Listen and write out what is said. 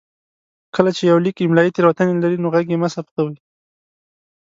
کله چې يو ليک املايي تېروتنې لري نو غږ يې مه ثبتوئ.